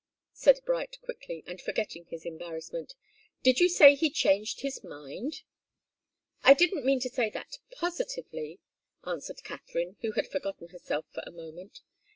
said Bright, quickly, and forgetting his embarrassment. "Did you say he changed his mind?" "I didn't mean to say that, positively," answered Katharine, who had forgotten herself for a moment.